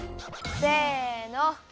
せの。